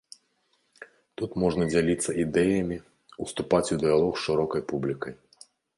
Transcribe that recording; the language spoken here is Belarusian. Тут можна дзяліцца ідэямі, ўступаць у дыялог з шырокай публікай.